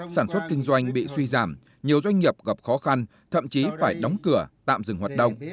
sản xuất kinh doanh bị suy giảm nhiều doanh nghiệp gặp khó khăn thậm chí phải đóng cửa tạm dừng hoạt động